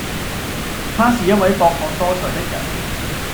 他是一位博學多才的人